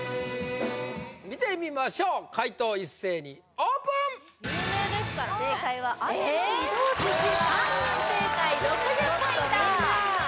見てみましょう解答一斉にオープン正解は「雨の御堂筋」３人正解６０ポイント